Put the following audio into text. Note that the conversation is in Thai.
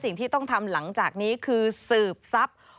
สิ่งที่ต้องทำหลังจากนี้คือสืบทรัพย์